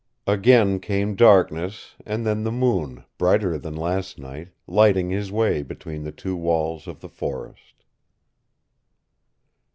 Again came darkness, and then the moon, brighter than last night, lighting his way between the two walls of the forest.